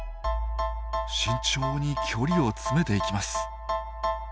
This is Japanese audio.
慎重に距離を詰めていきます。